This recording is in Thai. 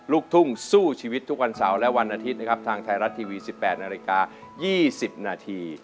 ลูกทุ่งสู้ชีวิตทุกวันเสาร์และวันอาทิตย์นะครับทางไทยรัฐทีวี๑๘นาฬิกา๒๐นาที